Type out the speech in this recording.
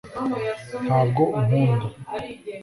nta bwo unkunda